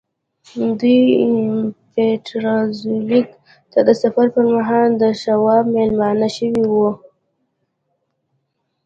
دوی پيټرزبورګ ته د سفر پر مهال د شواب مېلمانه شوي وو.